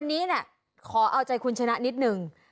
วันนี้ขอเอาใจคุณชนะนิดนึง